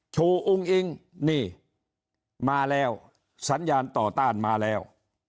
อุ้งอิงนี่มาแล้วสัญญาณต่อต้านมาแล้ว